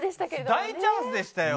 大チャンスでしたよ。